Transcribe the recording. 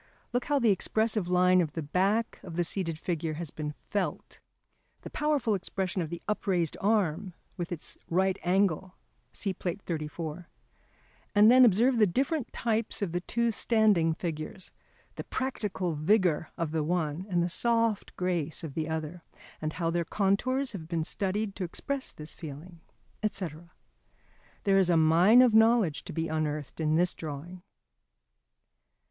Look how the expressive line of the back of the seated figure has been "felt," the powerful expression of the upraised arm with its right angle (see later page 155 [Transcribers Note: Diagram XII], chapter on line rhythm). And then observe the different types of the two standing figures; the practical vigour of the one and the soft grace of the other, and how their contours have been studied to express this feeling, &c. There is a mine of knowledge to be unearthed in this drawing.